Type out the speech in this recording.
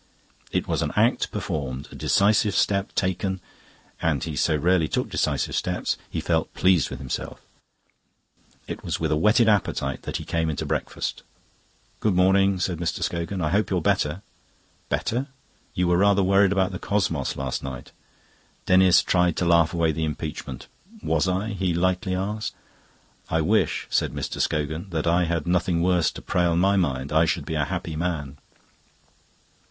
It was an act performed, a decisive step taken and he so rarely took decisive steps; he felt pleased with himself. It was with a whetted appetite that he came in to breakfast. "Good morning," said Mr. Scogan. "I hope you're better." "Better?" "You were rather worried about the cosmos last night." Denis tried to laugh away the impeachment. "Was I?" he lightly asked. "I wish," said Mr. Scogan, "that I had nothing worse to prey on my mind. I should be a happy man."